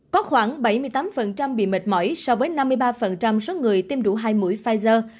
có khoảng bảy mươi tám bị mệt mỏi so với năm mươi ba số người tiêm đủ hai mũi pfizer